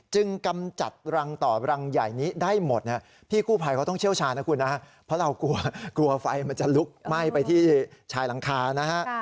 กำจัดรังต่อรังใหญ่นี้ได้หมดพี่กู้ภัยเขาต้องเชี่ยวชาญนะคุณนะเพราะเรากลัวกลัวไฟมันจะลุกไหม้ไปที่ชายหลังคานะฮะ